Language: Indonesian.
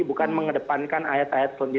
bukan mengedepankan ayat ayat tiga